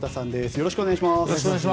よろしくお願いします。